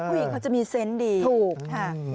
ผู้หญิงเขาจะมีเซนต์ดีถูกค่ะ